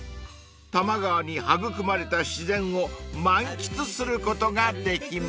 ［多摩川に育まれた自然を満喫することができます］